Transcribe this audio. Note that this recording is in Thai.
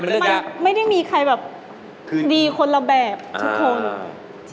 มันไม่ได้มีใครแบบดีคนละแบบทุกคน